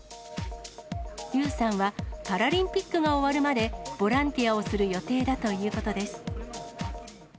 劉さんは、パラリンピックが終わるまで、ボランティアをする予定だということです。